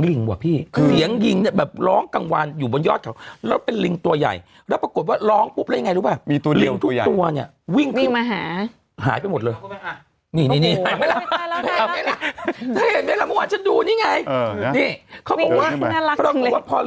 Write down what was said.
อุตังก็ปีนอย่างนี้ไม่ได้แอ้งจี้